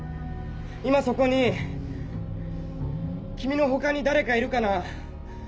今そこに君の他に誰かいるかな？